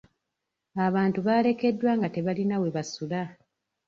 Abantu baalekeddwa nga tebalina we basula.